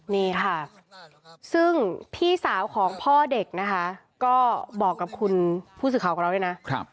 นี่ค่ะซึ่งพี่สาวของพ่อเด็กนะคะก็บอกกับคุณผู้สื่อข่าวของเราด้วยนะ